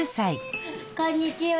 こんにちは。